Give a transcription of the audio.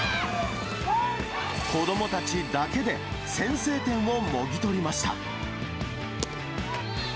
子どもたちだけで先制点をもぎ取りました。